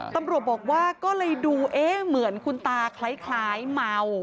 ตำรวจบอกว่าก็เลยดูเอ๊ะเหมือนคุณตาคล้ายเมา